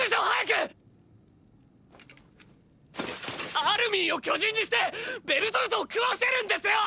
アルミンを巨人にしてベルトルトを食わせるんですよ！！